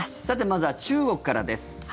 まずは中国からです。